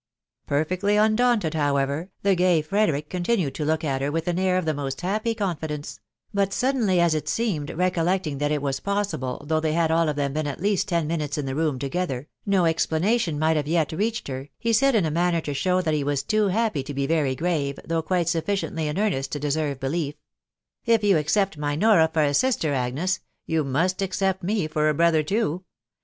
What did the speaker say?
Perfectly undaunted, however, the gay Frederick contuaaf to* look at her with an air of the most happy confidence ; fast suddenly, as it seemed, recollecting that it was poaaiMev they had all of them been at least ten minutes in tne together, no explanation might have yet reached her, he in a manner to show that he was too happy to be very grave, though quite sufficiently in earnest to deserve belief— a if you accept my Nora for a sister, Agnes, yon moat accept aw for a brother too.